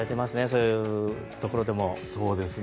そういうところでも。